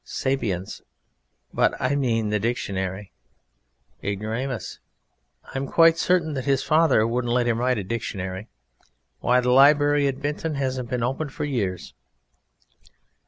SAPIENS. But I mean the dictionary. IGNORAMUS. I'm quite certain that his father wouldn't let him write a dictionary. Why, the library at Bynton hasn't been opened for years.